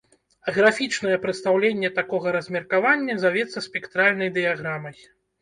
Графічнае прадстаўленне такога размеркавання завецца спектральнай дыяграмай.